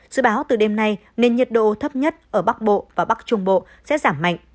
dự báo từ đêm nay nền nhiệt độ thấp nhất ở bắc bộ và bắc trung bộ sẽ giảm mạnh